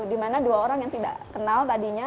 dimana dua orang yang tidak kenal tadinya